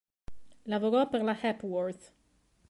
Lavorò per la Hepworth.